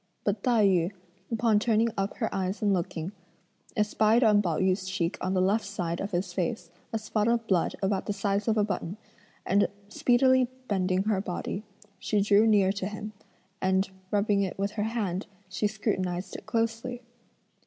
But Tai yü, upon turning up her eyes and looking, espied on Pao yü's cheek on the left side of his face, a spot of blood about the size of a button, and speedily bending her body, she drew near to him, and rubbing it with her hand, she scrutinised it closely.